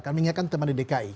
saya juga mengingatkan teman dki